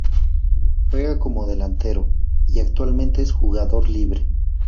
Juega como delantero y actualmente es jugador libre.